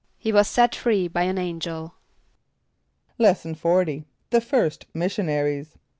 =He was set free by an angel.= Lesson XL. The First Missionaries.